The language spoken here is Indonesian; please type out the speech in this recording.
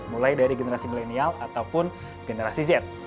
mulai dari generasi milenial ataupun generasi z